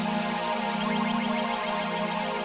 sampai jumpa lagi